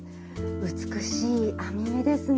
美しい編み目ですね。